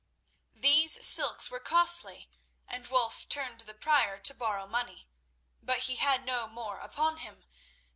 These silks were costly, and Wulf turned to the Prior to borrow money, but he had no more upon him.